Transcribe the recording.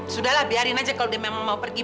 sudahlah biarin aja kalau dia mau pergi